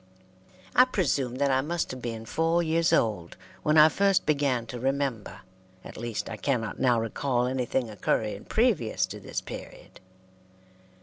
I presume that I must have been four years old when I first began to remember; at least, I cannot now recall anything occurring previous to this period.